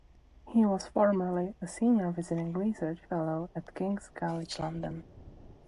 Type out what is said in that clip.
He was formerly a Senior Visiting Research Fellow at King's College London.